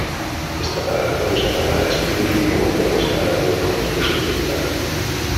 Esta palabra fue usada para describir un nuevo apego separado del compromiso principal.